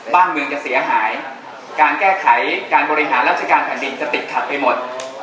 บ้านเมืองจะเสียหายการแก้ไขการบริหารราชการแผ่นดินจะติดขัดไปหมด